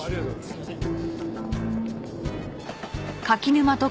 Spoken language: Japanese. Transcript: すいません。